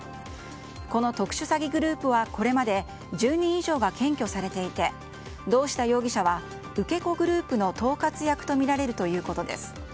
この特殊詐欺グループはこれまで１０人以上が検挙されていて堂下容疑者は受け子グループの統括役とみられるということです。